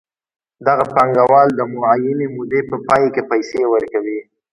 دغه پانګوال د معینې مودې په پای کې پیسې ورکوي